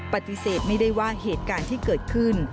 ปฏิเสธไม่ได้ว่าเหตุการณ์ที่เกิดขึ้น